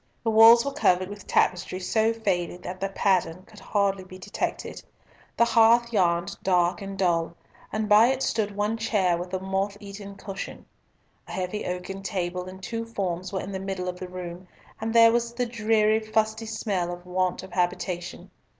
The walls were covered with tapestry so faded that the pattern could hardly be detected. The hearth yawned dark and dull, and by it stood one chair with a moth eaten cushion. A heavy oaken table and two forms were in the middle of the room, and there was the dreary, fusty smell of want of habitation.